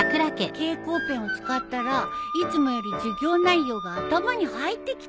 蛍光ペンを使ったらいつもより授業内容が頭に入ってきたよ。